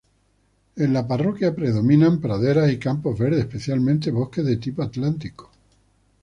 En la parroquia predominan praderas y campos verdes, especialmente bosques de tipo atlántico.